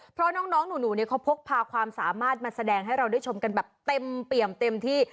เพราะน้องหนูเนี่ยเขาพกพาความสามารถมาแสดงให้เราได้ชมกันแบบเต็มเปี่ยมเต็มที่